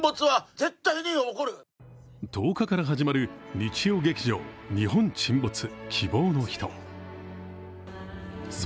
１０日から始まる日曜劇場「日本沈没−希望のひと−」。